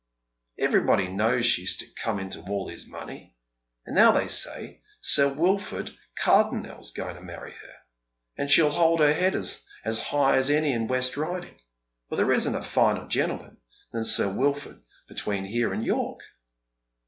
Everybody knows she's to come into all his money. And now they say Sir Wilford Cardonnel'a going to marry her, and she'll hold her head as high as any in the West Riding, for there isn't a finer gentleman than Sir Wilford between here and York."